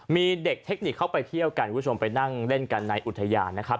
มีเด็กเทคนิคเข้าไปเที่ยวกันคุณผู้ชมไปนั่งเล่นกันในอุทยานนะครับ